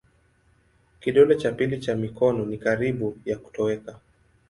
Kidole cha pili cha mikono ni karibu ya kutoweka.